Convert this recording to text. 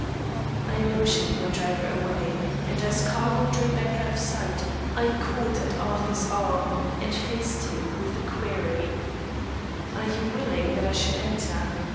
I motioned my driver away, and as Carmel drew back out of sight, I caught at Arthur's arm and faced him with the query: "Are you willing that I should enter?